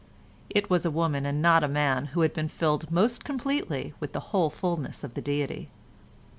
It was a woman and not a man who had been filled most completely with the whole fulness of the Deity.